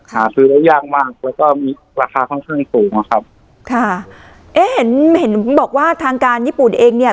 หาซื้อได้ยากมากแล้วก็มีราคาค่อนข้างสูงอ่ะครับค่ะเอ๊ะเห็นเห็นบอกว่าทางการญี่ปุ่นเองเนี่ย